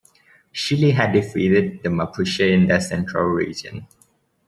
Chile had defeated the Mapuche in their central region.